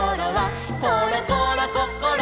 「ころころこころ